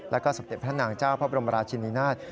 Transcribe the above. และก็ศพพระนะท์นางพระพระมราชินินาธิ